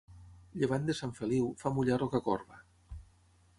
Llevant de Sant Feliu, fa mullar Rocacorba.